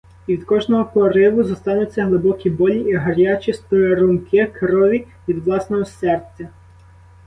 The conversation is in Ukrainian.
І від кожного пориву зостануться глибокі болі і гарячі струмки крові його власного серця.